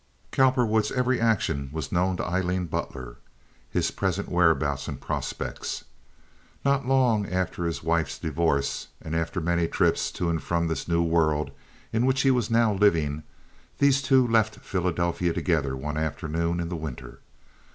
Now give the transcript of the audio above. Cowperwood's every action was known to Aileen Butler, his present whereabouts and prospects. Not long after his wife's divorce, and after many trips to and from this new world in which he was now living, these two left Philadelphia together one afternoon in the winter.